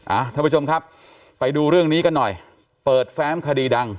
ท่านผู้ชมครับไปดูเรื่องนี้กันหน่อยเปิดแฟ้มคดีดัง